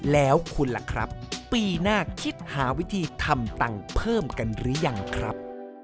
แล้วคุณล่ะครับปีหน้าคิดหาวิธีทำตังค์เพิ่มกันหรือยังครับ